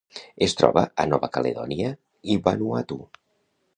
Es troba a Nova Caledònia i Vanuatu.